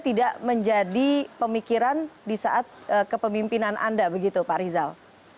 tidak menjadi pemikiran di saat kepemimpinan anda begitu pak rizal